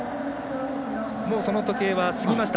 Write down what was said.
その時計は過ぎました。